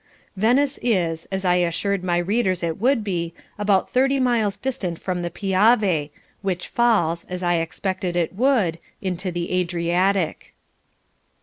Venice is, as I assured my readers it would be, about thirty miles distant from the Piave, which falls, as I expected it would, into the Adriatic."